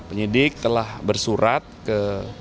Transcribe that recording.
penyidik telah bersurat ke